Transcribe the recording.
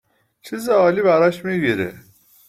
.چیز عالی براش می گیره